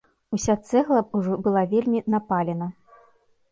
Уся цэгла ўжо была вельмі напалена.